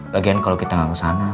lagian kalau kita nggak kesana